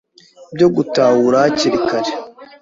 byo gutahura hakiri kare